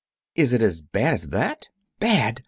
"Is it as bad as that?" "Bad!